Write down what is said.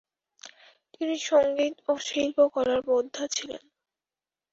তিনি সঙ্গীত ও শিল্পকলার বোদ্ধা ছিলেন।